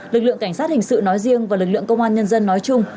lực lượng cảnh sát hình sự nói riêng và lực lượng công an nhân dân nói chung